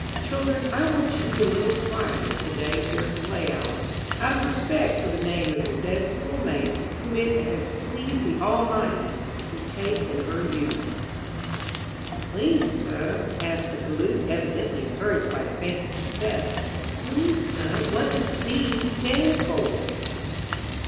Children, I want you to be a little quieter to day during play hour, out of respect for the name of your dead schoolmate whom it has pleased the Almighty to take in her youth." "Please, sir," asked the galoot, evidently encouraged by his fancied success, "please, sir, what does 'D' stand for?"